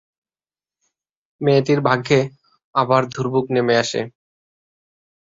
মেয়েটির ভাগ্যে আবার দুর্ভোগ নেমে আসে।